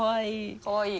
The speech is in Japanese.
かわいい。